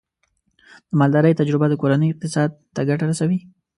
د مالدارۍ تجربه د کورنۍ اقتصاد ته ګټه رسوي.